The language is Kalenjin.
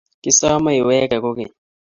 kisome iweeke kokeny